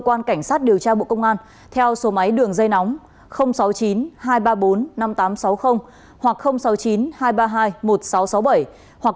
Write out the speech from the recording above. cơ quan cảnh sát điều tra bộ công an theo số máy đường dây nóng sáu mươi chín hai trăm ba mươi bốn năm nghìn tám trăm sáu mươi hoặc sáu mươi chín hai trăm ba mươi hai một nghìn sáu trăm sáu mươi bảy hoặc